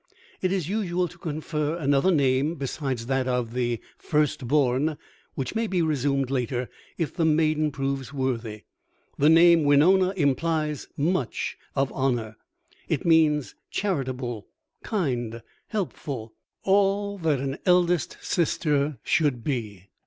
It is usual to confer another name besides that of the "First born," which may be resumed later if the maiden proves worthy. The name Winona implies much of honor. It means charitable, kind, helpful; all that an eldest sister should be!